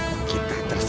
apa kita tersesat